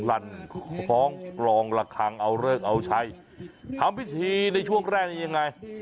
ลั่นคล้องกลองละคังเอาเลิกเอาชัยทำพิธีในช่วงแรกนี้ยังไง